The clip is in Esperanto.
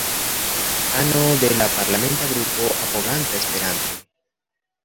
Ano de la Parlamenta Grupo Apoganta Esperanton.